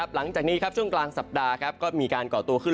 หลังจากนี้ช่วงกลางสัปดาห์ก็มีการก่อตัวขึ้น